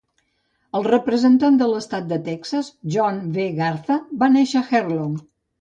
El representant de l'estat de Texas John V. Garza va néixer a Herlong.